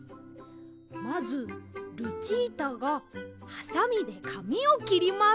まずルチータがハサミでかみをきります。